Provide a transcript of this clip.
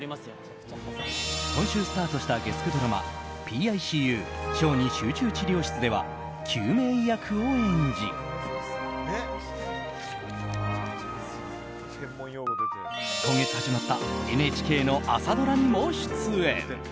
今週スタートした月９ドラマ「ＰＩＣＵ・小児集中治療室」では救命医役を演じ今月始まったＮＨＫの朝ドラにも出演。